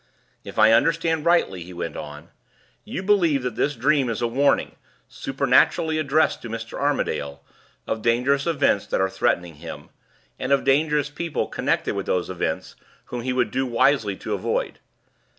"If I understand rightly," he went on, "you believe that this dream is a warning! supernaturally addressed to Mr. Armadale, of dangerous events that are threatening him, and of dangerous people connected with those events whom he would do wisely to avoid.